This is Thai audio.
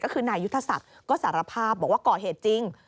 ก็คือนายยุทธศักดิ์ก็สารภาพบอกว่าก่อเหตุจริง